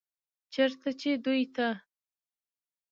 چرته چې دوي ته